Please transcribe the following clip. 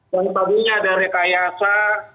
yang tadinya ada rekayasa